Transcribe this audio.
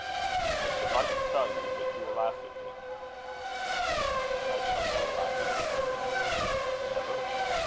"I should like to tell you, but you will laugh at me." "I shall never laugh at you, Harry." "Never?"